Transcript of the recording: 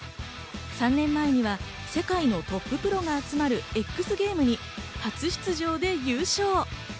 ３年前には世界のトッププロが集まるＸゲームに初出場で優勝。